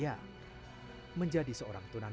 ya menjadi seorang tunas